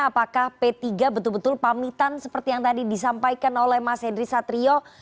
apakah p tiga betul betul pamitan seperti yang tadi disampaikan oleh mas henry satrio